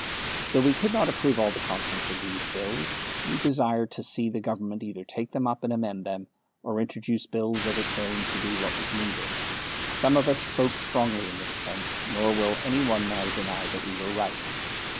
Though we could not approve all the contents of these Bills, we desired to see the Government either take them up and amend them, or introduce Bills of its own to do what was needed. Some of us spoke strongly in this sense, nor will any one now deny that we were right.